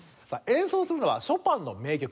演奏するのはショパンの名曲